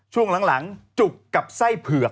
ช่วงหลังจุกกับไส้เผือก